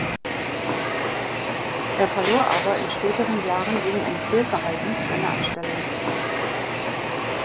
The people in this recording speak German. Er verlor aber in späteren Jahren wegen eines Fehlverhaltens seine Anstellung.